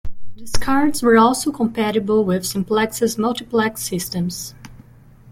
These cards were also compatible with Simplex's multiplex systems.